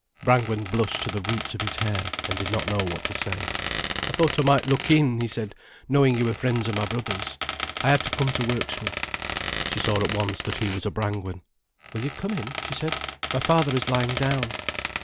Brangwen blushed to the roots of his hair, and did not know what to say. "I thought I might look in," he said, "knowing you were friends of my brother's. I had to come to Wirksworth." She saw at once that he was a Brangwen. "Will you come in?" she said. "My father is lying down."